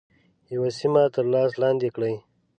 یوه سیمه تر لاس لاندي کړي.